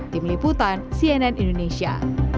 tim liputan cnn indonesia